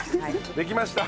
できました。